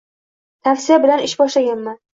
Tavsiya bilan ish boshlaganman.